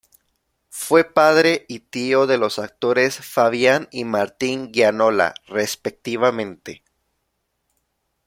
Fue padre y tío de los actores Fabián y Martín Gianola, respectivamente.